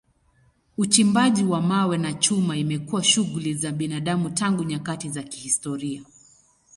Uchimbaji wa mawe na chuma imekuwa shughuli za binadamu tangu nyakati za kihistoria.